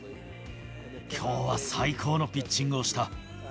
きょうは最高のピッチングをした。